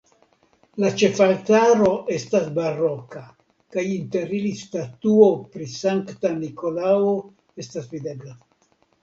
La ĉefaltaro estas baroka kaj inter ili statuo pri Sankta Nikolao estas videbla.